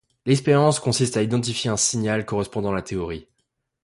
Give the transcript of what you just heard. L'expérience consiste à identifier un signal correspondant à la théorie.